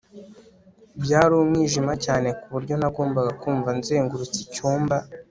byari umwijima cyane ku buryo nagombaga kumva nzengurutse icyumba